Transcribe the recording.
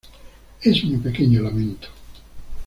Es mi pequeño lamento".